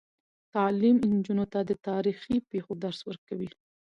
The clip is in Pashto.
تعلیم نجونو ته د تاریخي پیښو درس ورکوي.